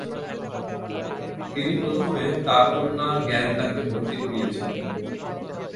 তিনি প্রথমে তার কন্যা জ্ঞানদাকে ভর্তি করিয়েছিলেন।